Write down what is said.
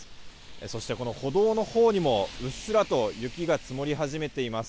そして、歩道のほうにもうっすらと雪が積もり始めています。